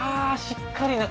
しっかりね